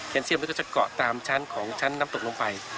เซียมแล้วก็จะเกาะตามชั้นของชั้นน้ำตกลงไป